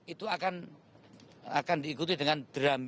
itu akan diikuti dengan drum